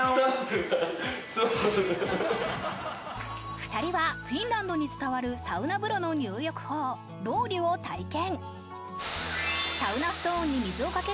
２人はフィンランドに伝わるサウナ風呂の入浴法ロウリュを体験